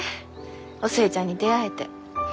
お寿恵ちゃんに出会えて。